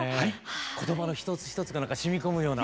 言葉の一つ一つがしみ込むような。